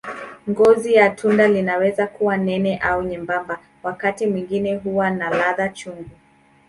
Ngozi ya tunda inaweza kuwa nene au nyembamba, wakati mwingine huwa na ladha chungu.